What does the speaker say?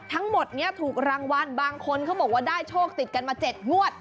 ทั้งหมดนี้ถูกรางวัลบางคนเขาบอกว่าได้โชคติดกันมา๗งวด